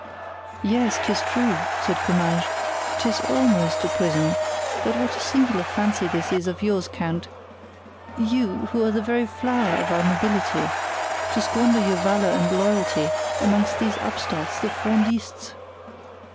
"Yes, 'tis too true," said Comminges, "'tis almost a prison; but what a singular fancy this is of yours, count—you, who are the very flower of our nobility—to squander your valor and loyalty amongst these upstarts, the Frondists!